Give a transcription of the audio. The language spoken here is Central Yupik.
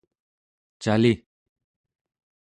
cali!